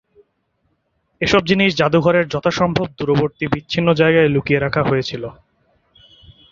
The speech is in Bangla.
এসব জিনিস জাদুঘর এর যথাসম্ভব দূরবর্তী বিচ্ছিন্ন জায়গায় লুকিয়ে রাখা হয়েছিল।